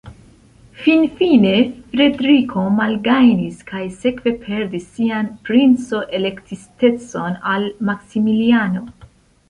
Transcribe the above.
Finfine Frederiko malgajnis kaj sekve perdis sian princo-elektistecon al Maksimiliano.